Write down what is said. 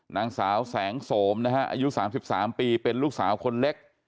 นางสาวแสงโสมนะฮะอายุ๓๓ปีเป็นลูกสาวคนเล็ก